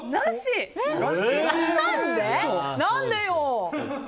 何でよ！